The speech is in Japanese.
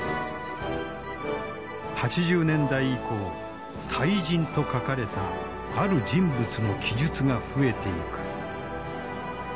８０年代以降「大人」と書かれたある人物の記述が増えていく。